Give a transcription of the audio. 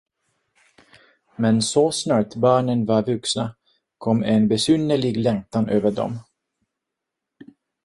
Men så snart barnen var vuxna, kom en besynnerlig längtan över dem.